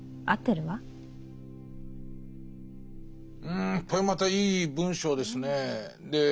うんこれまたいい文章ですねえ。